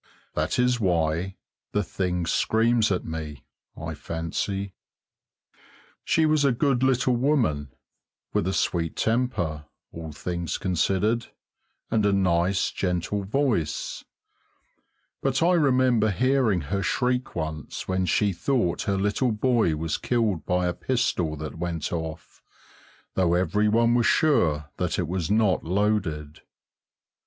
That is why the thing screams at me, I fancy. She was a good little woman, with a sweet temper, all things considered, and a nice gentle voice; but I remember hearing her shriek once when she thought her little boy was killed by a pistol that went off, though every one was sure that it was not loaded.